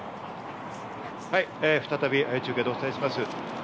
はい、再び中継でお伝えします。